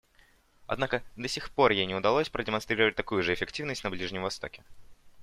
Однако до сих пор ей не удалось продемонстрировать такую же эффективность на Ближнем Востоке.